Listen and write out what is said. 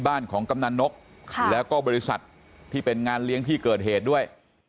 บ้านของกำนันนกแล้วก็บริษัทที่เป็นงานเลี้ยงที่เกิดเหตุด้วย